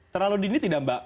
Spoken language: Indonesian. terlalu dini tidak mbak